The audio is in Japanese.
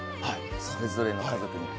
それぞれの家族に。